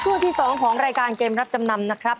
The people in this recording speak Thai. ช่วงที่๒ของรายการเกมรับจำนำนะครับ